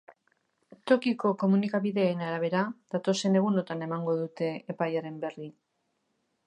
Tokiko komunikabideen arabera, datozen egunotan emango dute epaiaren berri.